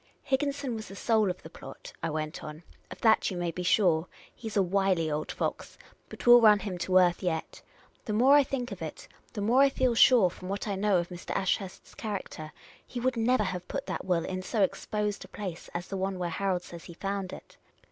" Higginson was the soul of the plot," I went on. " Of that you may be sure. He 's a wily old fox, but we '11 run him to earth yet. The more I think of it, the more I feel sure, from what I know of Mr. Ashurst's character, he would never have put that will in so exposed a place as the one where Harold says he found it."